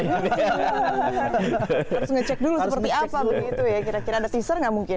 harus ngecek dulu seperti apa begitu ya kira kira ada teaser nggak mungkin